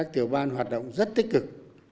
tiểu ban hoạt động rất tích cực